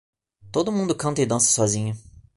Todo mundo canta e dança sozinho.